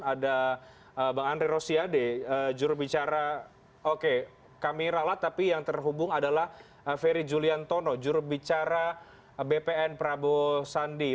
ada bang andre rosiade jurubicara oke kami ralat tapi yang terhubung adalah ferry juliantono jurubicara bpn prabowo sandi